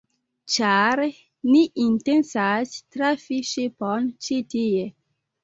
Ĉar ni intencas trafi ŝipon ĉi tie